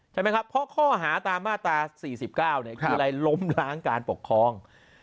ใช่ไหมครับเพราะข้อหาตามมาตรา๔๙คืออะไรล้มล้างการปกครอง